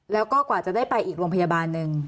แล้วก็กว่าจะได้ไปอีกโรงพยาบาลหนึ่ง